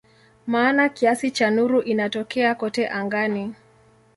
Maana kiasi cha nuru inatokea kote angani.